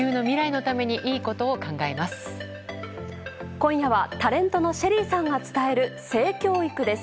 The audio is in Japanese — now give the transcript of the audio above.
今夜はタレントのＳＨＥＬＬＹさんが伝える性教育です。